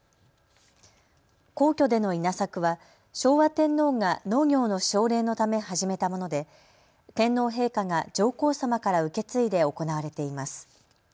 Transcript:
皇居での稲作は昭和天皇が農業の奨励のため始めたもので天皇陛下が上皇さまから受け継いで行われています。